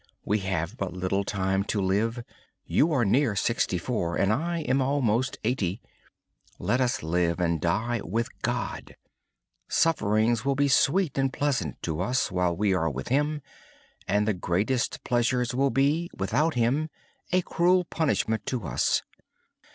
We have but little time to live. You are nearly sixty four, and I am almost eighty. Let us live and die with God. Sufferings will be sweet and pleasant while we are with Him. Without Him, the greatest pleasures will be a cruel punishment to us.